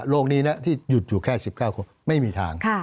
นี้นะที่หยุดอยู่แค่๑๙คนไม่มีทาง